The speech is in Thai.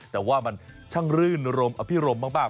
แต่ว่ามันช่างรื่นรมอภิรมมาก